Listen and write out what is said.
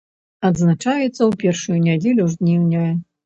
Адзначаецца ў першую нядзелю жніўня.